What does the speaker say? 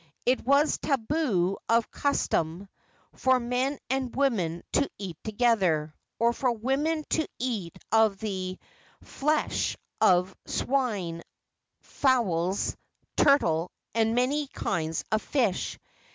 It was tabu of custom for men and women to eat together, or for women to eat of the flesh of swine, fowls, turtle and many kinds of fish.